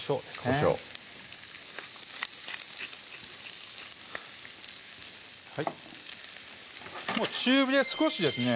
こしょう中火で少しですね